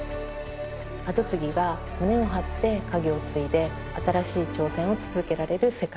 アトツギが胸を張って家業を継いで新しい挑戦を続けられる世界。